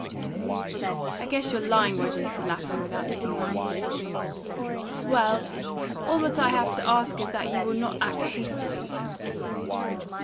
"I guess you're lying, Rogers," said Lapham, without looking round. "Well, all that I have to ask is that you will not act hastily."